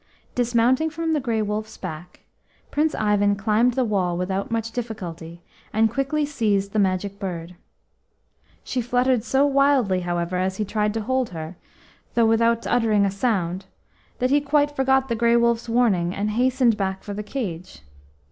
Dismounting from the Grey Wolf's back, Prince Ivan climbed the wall without much difficulty, and quickly seized the Magic Bird. She fluttered so wildly, however, as he tried to hold her, though without uttering a sound, that he quite forgot the Grey Wolf's warning, and hastened back for the cage.